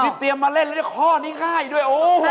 นี่เตรียมมาเล่นครอบนี่ง่ายด้วย